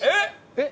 えっ！？